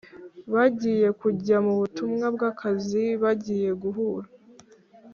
bagiye kujya mubutumwa bwakazi bagiye guhura